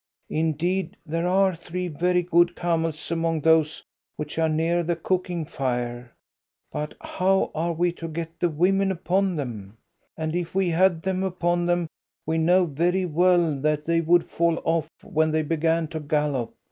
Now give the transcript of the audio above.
Indeed, there are three very good camels among those which are near the cooking fire. But how are we to get the women upon them? and if we had them upon them, we know very well that they would fall off when they began to gallop.